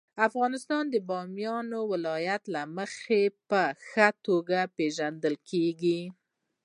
افغانستان د بامیان د ولایت له مخې په ښه توګه پېژندل کېږي.